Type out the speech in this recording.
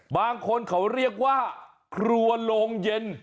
บางคนเขาเรียกว่าครัวโรงเย็น